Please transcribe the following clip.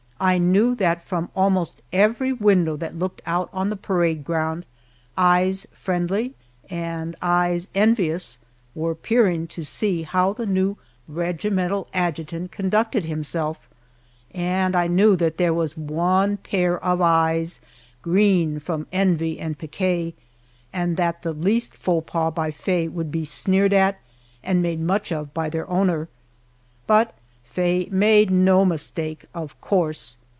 I knew that from almost every window that looked out on the parade ground, eyes friendly and eyes envious were peering to see how the new regimental adjutant conducted himself, and I knew that there was one pair of eyes green from envy and pique, and that the least faux pas by Faye would be sneered at and made much of by their owner. But Faye made no mistake, of course.